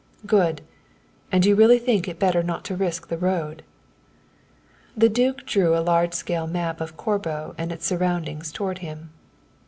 "Good and you really think it better not to risk the road?" The duke drew a large scale map of Corbo and its surroundings towards him.